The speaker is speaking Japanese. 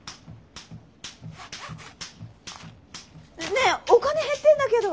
ねえおカネ減ってんだけど。